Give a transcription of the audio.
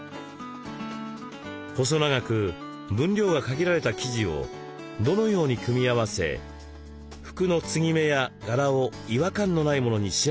細長く分量が限られた生地をどのように組み合わせ服の継ぎ目や柄を違和感のないものに仕上げていくのか。